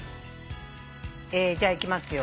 じゃあいきますよ。